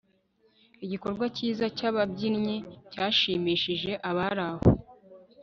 igikorwa cyiza cyababyinnyi cyashimishije abari aho